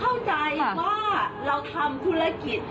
เราจะมาเสียค่าไฟกับค่าคาเฟรแก้วหนึ่ง